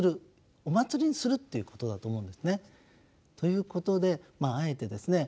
お祭りにするっていうことだと思うんですね。ということであえてですね